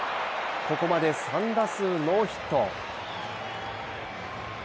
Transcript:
ここまで３打数ノーヒット。